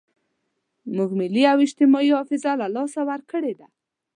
موږ ملي او اجتماعي حافظه له لاسه ورکړې ده.